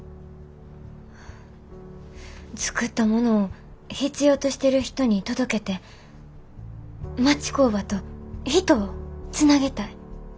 作ったものを必要としてる人に届けて町工場と人をつなげたい。